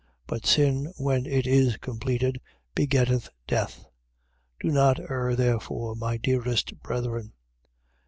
But sin, when it is completed, begetteth death. 1:16. Do not err, therefore, my dearest brethren.